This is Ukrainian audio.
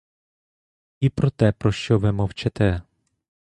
І про те, про що ви мовчите.